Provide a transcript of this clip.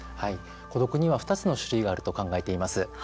孤独には２つの種類があると考えています。